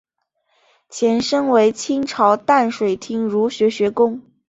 前身为清朝淡水厅儒学学宫。